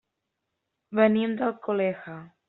Venim d'Alcoleja.